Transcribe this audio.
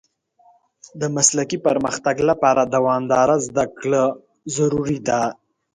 د مسلکي پرمختګ لپاره دوامداره زده کړه ضروري ده.